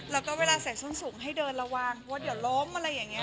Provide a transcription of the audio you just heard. แล้วก็เวลาใส่ส้นสูงให้เดินระวังว่าเดี๋ยวล้มอะไรอย่างนี้